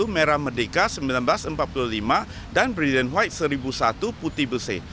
merah merdeka seribu sembilan ratus empat puluh lima dan briliant white seribu satu putih besi